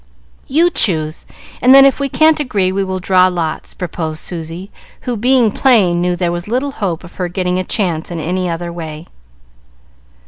"You choose, and then if we can't agree we will draw lots," proposed Susy, who, being plain, knew there was little hope of her getting a chance in any other way.